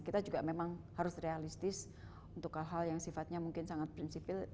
kita juga memang harus realistis untuk hal hal yang sifatnya mungkin sangat prinsipil